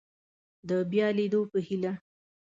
د بیا لیدو په هیله